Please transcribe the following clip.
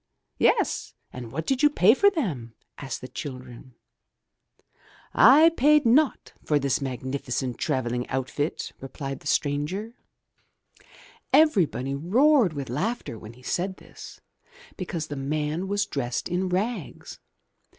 "Yes, and what did you pay for them?*' asked the children. "I paid naught for this magnificent traveling outfit," replied the stranger. Everybody roared with laughter when he said this, because the man was dressed in rags!